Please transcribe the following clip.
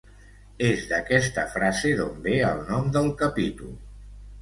És d'aquesta frase d'on ve el nom del capítol.